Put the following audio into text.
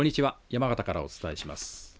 山形からお伝えします。